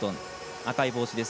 赤い帽子です。